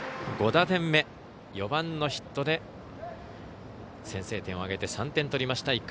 ５打点目、４番のヒットで先制点を挙げて３点取りました